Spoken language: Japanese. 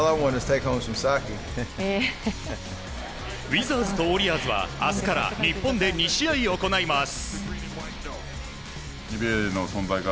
ウィザーズとウォリアーズは明日から日本で２試合行います。